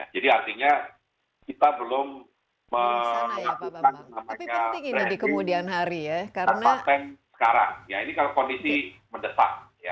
jadi artinya kita belum melakukan sepertinya kondisi mendesak